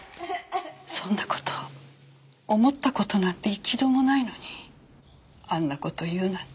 そんな事思った事なんて一度もないのにあんな事言うなんて。